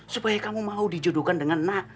supaya kamu mau dijodohkan dengan nak